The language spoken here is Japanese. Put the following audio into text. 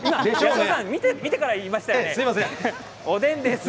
見てから言いましたよね。